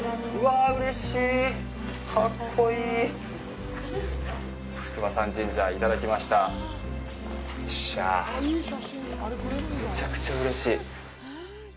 っしゃあ、めちゃくちゃうれしい。